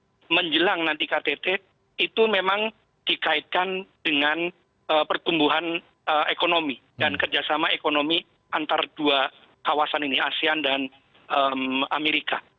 dan yang akan dihilang nanti ktt itu memang dikaitkan dengan pertumbuhan ekonomi dan kerjasama ekonomi antara dua kawasan ini asean dan amerika